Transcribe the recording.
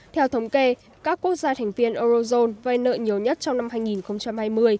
theo thống kê các quốc gia thành viên eurozone vay nợ nhiều nhất trong năm hai nghìn hai mươi